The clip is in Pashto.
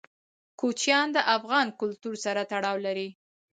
کوچیان د افغان کلتور سره تړاو لري.